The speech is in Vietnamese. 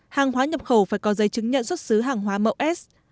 hàng hóa nhập khẩu phải có giấy chứng nhận xuất xứ hàng hóa mẫu s